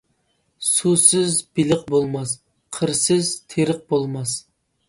سۇسىز بېلىق بولماس، قىرسىز تېرىق بولماس.